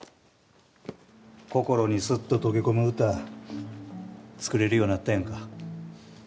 心にスッと溶け込む歌作れるようなったやんか。